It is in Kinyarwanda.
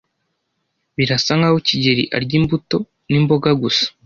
Birasa nkaho kigeli arya imbuto n'imboga gusa.